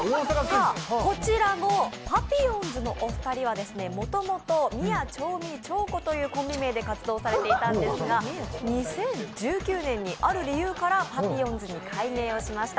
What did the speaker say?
パピヨンズのお二人はもともとミヤ蝶美・蝶子というコンビ名で活動されていましたが２０１９年にある理由からパピヨンズに改名をしました。